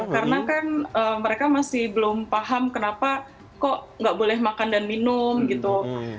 karena kan mereka masih belum paham kenapa kok enggak boleh makan dan minum gitu